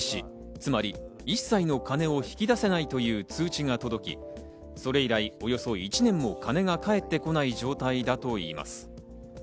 つまり一切の金を引き出せないという通知が届き、それ以来およそ１年も金が返ってこない状態だといいます。